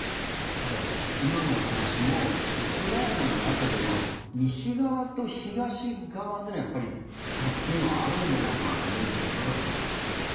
ただ、今のお話もウクライナの中での西側と東側での差というのはあるんじゃないかなと思うんですが、いかがでしょう。